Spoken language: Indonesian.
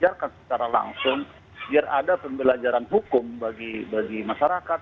biarkan secara langsung biar ada pembelajaran hukum bagi masyarakat